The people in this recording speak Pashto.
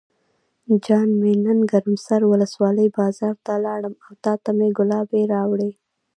جان مې نن ګرم سر ولسوالۍ بازار ته لاړم او تاته مې ګلابي راوړې.